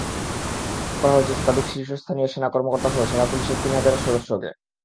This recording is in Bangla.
আটক করা হয়েছে শতাধিক শীর্ষস্থানীয় সেনা কর্মকর্তাসহ সেনা-পুলিশের তিন হাজার সদস্যকে।